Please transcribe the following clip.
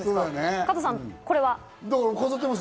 加藤さん、これは。